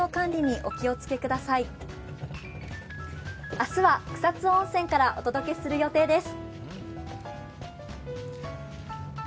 明日は草津温泉からお届けする予定です。